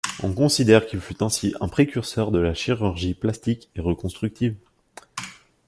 On considère qu'il fut ainsi un précurseur de la chirurgie plastique et reconstructive.